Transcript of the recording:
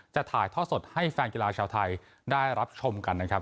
ถ่ายทอดสดให้แฟนกีฬาชาวไทยได้รับชมกันนะครับ